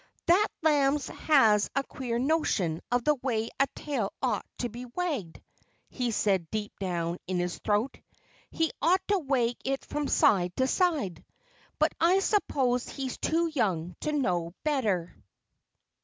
"That lamb has a queer notion of the way a tail ought to be wagged," he said deep down in his throat. "He ought to wag it from side to side. But I suppose he's too young to know better."